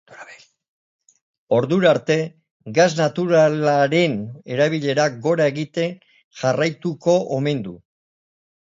Ordura arte, gas naturalaren erabilerak gora egiten jarraituko omen du.